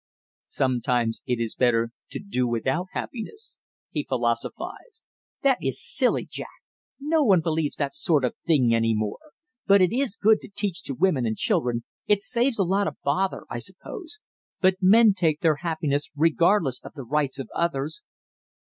"Sometimes it is better to do without happiness," he philosophized. "That is silly, Jack, no one believes that sort of thing any more; but it is good to teach to women and children, it saves a lot of bother, I suppose. But men take their happiness regardless of the rights of others!"